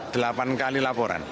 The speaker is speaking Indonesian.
delapan kali laporan